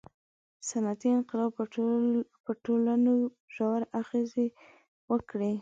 • صنعتي انقلاب په ټولنو ژورې اغېزې وکړې.